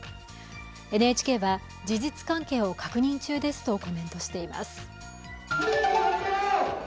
ＮＨＫは、事実関係を確認中ですとコメントしています。